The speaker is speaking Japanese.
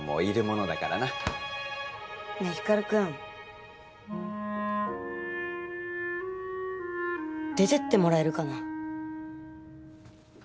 ねえ光くん。出てってもらえるかな？